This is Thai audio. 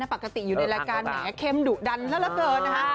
ปกติอยู่ในรายการแหมเข้มดุดันซะละเหลือเกินนะคะ